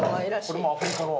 これもアフリカの？